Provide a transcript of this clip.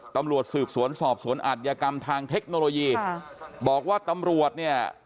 ตำรวจสืบสวนสอบสวนอัธยกรรมทางเทคโนโลยีค่ะบอกว่าตำรวจเนี่ย